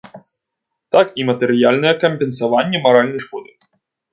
Так і матэрыяльнае кампенсаванне маральнай шкоды.